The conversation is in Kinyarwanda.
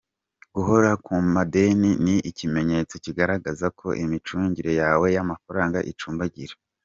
Guhora ku madeni ni ikimenyetso kigaragaza ko imicungire yawe y’amafaranga icumbagira.